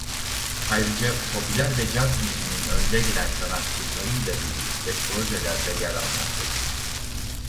Ayrıca popüler ve caz müziğinin önde gelen sanatçılarıyla birlikte projelerde yer almaktadır.